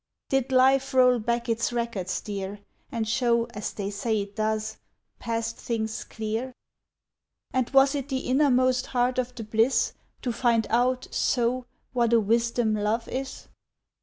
"Did life roll back its records, dear, And show, as they say it does, past things clear? "And was it the innermost heart of the bliss To find out, so, what a wisdom love is?